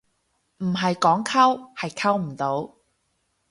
唔係唔溝，係溝唔到